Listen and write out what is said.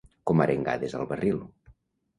Com arengades al barril.